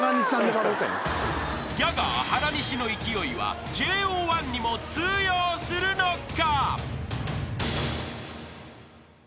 ［ギャガー原西の勢いはＪＯ１にも通用するのか？］